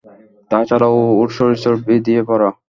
তাছাড়াও, ওর শরীর চর্বি দিয়ে ভরা।